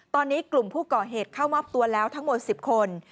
ตอนนี้กลุ่มผู้ก่อเหตุเข้ามอบตัวแล้วทั้งหมด๑๐คน